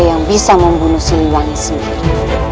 yang bisa membunuh siliwangi sendiri